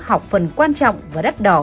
học phần quan trọng và đắt đỏ